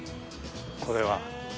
これは。